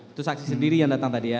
itu saksi sendiri yang datang tadi ya